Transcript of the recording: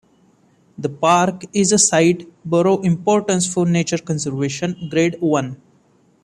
The park is a Site of Borough Importance for Nature Conservation, Grade One.